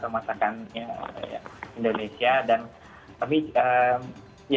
masakan dari indonesia atau masakan dari islandia